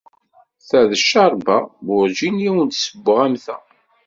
Ta d ccerba werǧin i awen-d-sewweɣ am ta.